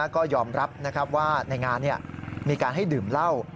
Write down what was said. ก็ยอมรับว่าในงานมีการให้ดื่มเหล้า